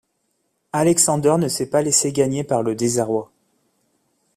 Alexander ne s'est pas laisser gagné par le désarroi.